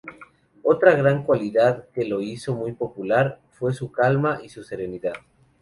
Otra gran cualidad que lo hizo muy popular fue su calma y su serenidad.